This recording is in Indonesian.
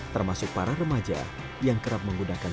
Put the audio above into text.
termasuk para remaja yang kerap menggunakan tempat ini